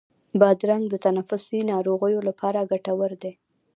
بادرنګ د تنفسي ناروغیو لپاره ګټور دی.